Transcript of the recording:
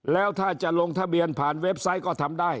แล้วถ้าจะลงทะเบียนผ่านเว็บไซต์ก็ทำได้